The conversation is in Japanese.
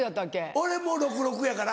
俺もう６６やから。